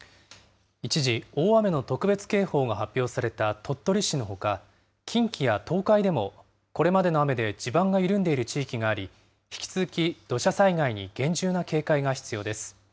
一時、大雨の特別警報が発表された鳥取市のほか、近畿や東海でも、これまでの雨で地盤が緩んでいる地域があり、引き続き土砂災害に厳重な警戒が必要です。